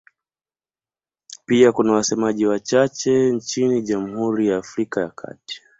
Pia kuna wasemaji wachache nchini Jamhuri ya Afrika ya Kati.